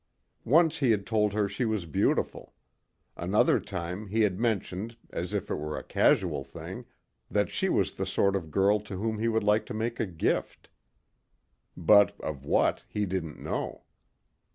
Once he had told her she was beautiful. Another time he had mentioned, as if it were a casual thing, that she was the sort of girl to whom he would like to make a gift. But of what, he didn't know.